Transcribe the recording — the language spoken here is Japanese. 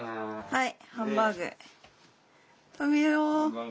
はい。